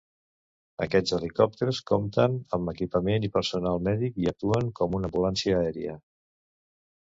Aquests helicòpters compten amb equipament i personal mèdic i actuen com una ambulància aèria.